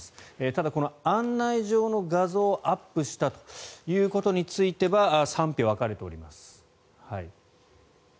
ただ、この案内状の画像をアップしたということについては賛否が分かれております。